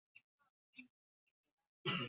Etteeka lino libakugira okukola ekyo.